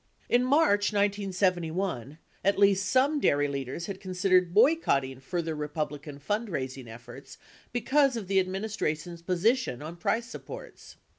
In March 1971, at least some dairy leaders had considered boycotting further Republican fundraising efforts because of the administra tion's position on price supports.